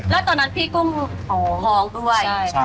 แล้วตอนนั้นพี่กุ้งท้องด้วย